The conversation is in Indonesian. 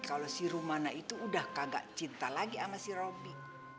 kalau si rumana itu udah kagak cinta lagi sama si roby